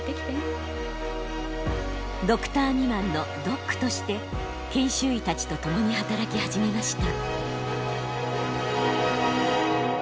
ドクター未満のドックとして研修医たちと共に働き始めました。